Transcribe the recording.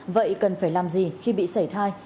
vậy cần phải làm gì khi bị sảy thai